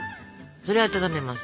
それを温めます。